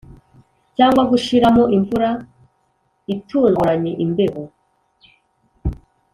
cyangwa gushiramo imvura itunguranye, imbeho.